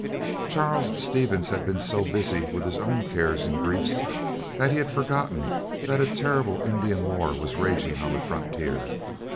Charles Stevens had been so busy with his own cares and griefs, that he had forgotten that a terrible Indian war was raging on the frontier.